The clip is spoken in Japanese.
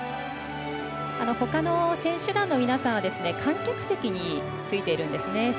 ほかの選手団の皆さんは観客席についているんですね。